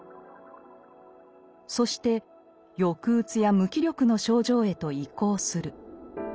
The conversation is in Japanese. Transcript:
そして抑うつや無気力の症状へと移行する。